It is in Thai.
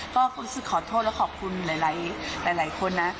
ก็รู้สึกขอโทษและขอบคุณหลายคนนะ